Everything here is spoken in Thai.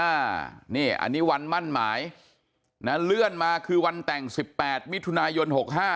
อันนี้วันมั่นหมายนะเลื่อนมาคือวันแต่ง๑๘มิถุนายน๖๕